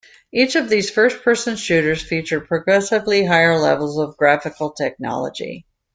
Each of these first-person shooters featured progressively higher levels of graphical technology.